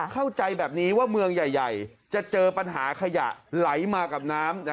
เข้าใจแบบนี้ว่าเมืองใหญ่จะเจอปัญหาขยะไหลมากับน้ำ